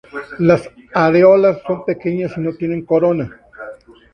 Las areolas son pequeñas y no tienen corona.